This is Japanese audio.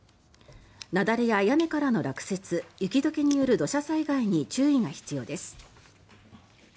雪崩や屋根からの落雪雪解けによる土砂災害に注意が必要です。